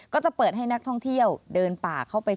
ก็จะเปิดให้นักท่องเที่ยวเดินป่าเข้าไป